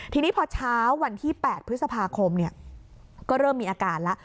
ทีนี้พอเช้าวันที่๘พฤษภาคมก็เริ่มมีอาการแล้ว